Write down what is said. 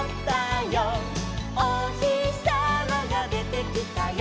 「おひさまがでてきたよ」